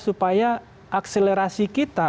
supaya akselerasi kita